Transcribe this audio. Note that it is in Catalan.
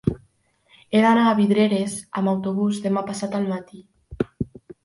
He d'anar a Vidreres amb autobús demà passat al matí.